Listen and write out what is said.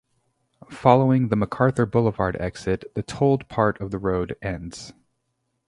Following the MacArthur Boulevard exit, the tolled part of the road ends.